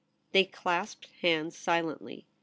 They clasped hands silently.